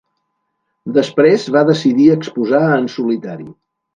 Després va decidir exposar en solitari.